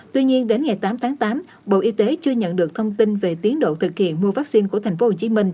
tuy nhiên đến ngày tám tháng tám bộ y tế chưa nhận được thông tin về tiến độ thực hiện mua vaccine của tp hcm